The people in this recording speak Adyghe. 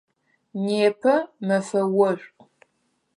Непэ мэфэ ошӏу.